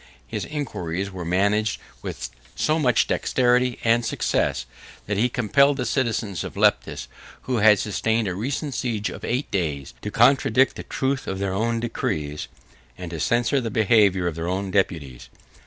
His inquiries were managed with so much dexterity and success, that he compelled the citizens of Leptis, who had sustained a recent siege of eight days, to contradict the truth of their own decrees, and to censure the behavior of their own deputies.